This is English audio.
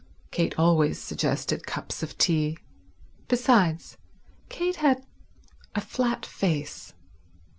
Kate always suggested cups of tea. Besides, Kate had a flat face.